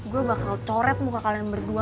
gue bakal coret muka kalian berdua